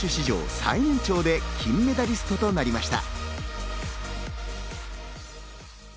最年長で金メダリストとなりました。